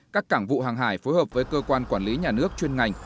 các cảng vụ hàng hải phối hợp với cơ quan quản lý nhà nước chuyên ngành